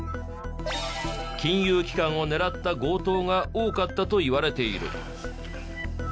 金融機関を狙った強盗が多かったといわれている。